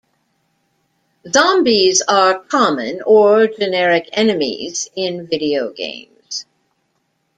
Zombies are common or generic enemies in video games.